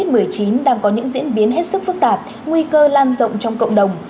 nhưng dịch bệnh covid một mươi chín đang có những diễn biến hết sức phức tạp nguy cơ lan rộng trong cộng đồng